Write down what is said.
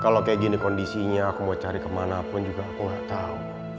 kalo kayak gini kondisinya aku mau cari kemana pun juga aku gak tau